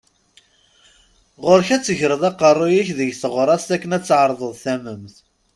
Ɣur-k ad tegreḍ aqerru-k deg teɣrast akken ad tεerḍeḍ tament.